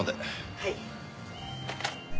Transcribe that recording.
はい。